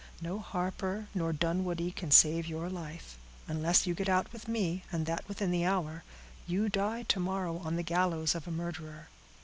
No Harper nor Dunwoodie can save your life; unless you get out with me, and that within the hour, you die to morrow on the gallows of a murderer.